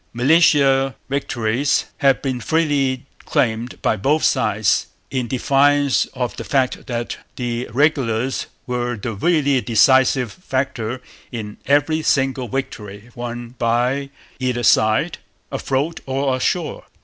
Militia victories have been freely claimed by both sides, in defiance of the fact that the regulars were the really decisive factor in every single victory won by either side, afloat or ashore.